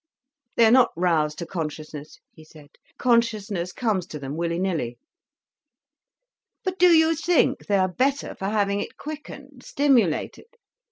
"They are not roused to consciousness," he said. "Consciousness comes to them, willy nilly." "But do you think they are better for having it quickened, stimulated?